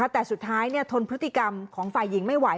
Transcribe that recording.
แต่สุดท้ายทนพฤติกรรมของฝ่ายหญิงไม่ไหว